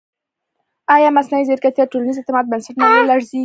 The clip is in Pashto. ایا مصنوعي ځیرکتیا د ټولنیز اعتماد بنسټ نه لړزوي؟